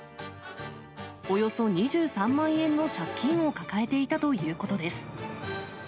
およそ２３万円の借金を抱えていたということです。